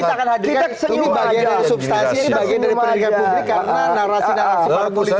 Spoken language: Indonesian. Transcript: nanti kita akan hadirkan itu bagian dari substansi kita senyum aja